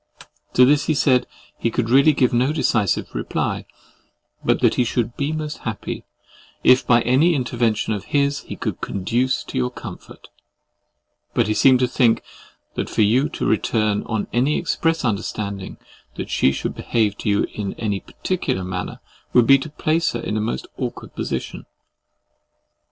To this, he said, he could really give no decisive reply, but that he should be most happy if, by any intervention of his, he could conduce to your comfort; but he seemed to think that for you to return on any express understanding that she should behave to you in any particular manner, would be to place her in a most awkward situation.